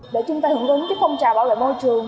để chúng ta hưởng ứng phong trào bảo vệ môi trường